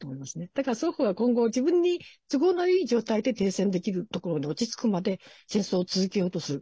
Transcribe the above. だから双方が今後自分に都合のいい状態で停戦できるところに落ち着くまで戦争を続けようとする。